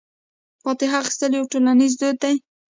فاتحه اخیستل یو ټولنیز دود دی.